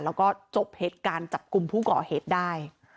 แล้วก็จบเหตุการณ์จับกลุ่มผู้ก่อเหตุได้